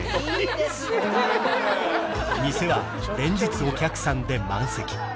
店は連日お客さんで満席